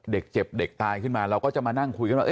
เด็กเจ็บเด็กตายขึ้นมาเราก็จะมานั่งคุยกันว่า